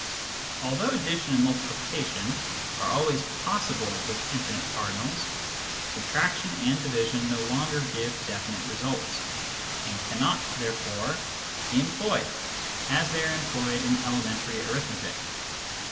Although addition and multiplication are always possible with infinite cardinals, subtraction and division no longer giv^e definite results, and cannot therefore be employed as they are employed in elementary arithmetic.